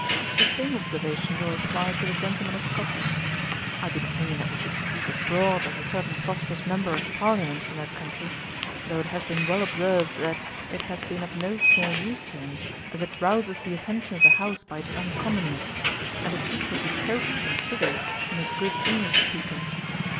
The same observation will apply to the gentlemen of Scotland. I do not mean that we should speak as broad as a certain prosperous member of Parliament from that country; though it has been well observed, that 'it has been of no small use to him; as it rouses the attention of the House by its uncommonness; and is equal to tropes and figures in a good English speaker.'